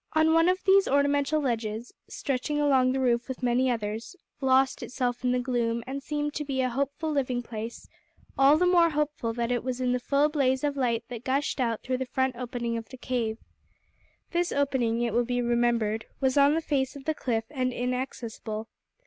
One of these ornamental ledges, stretching along the roof with many others, lost itself in the gloom and seemed to be a hopeful living place all the more hopeful that it was in the full blaze of light that gushed in through the front opening of the cave. This opening, it will be remembered, was on the face of the cliff and inaccessible.